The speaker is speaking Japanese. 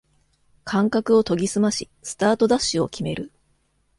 感覚を研ぎすましスタートダッシュを決める